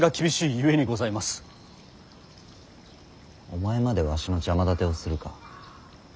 お前までわしの邪魔だてをするか。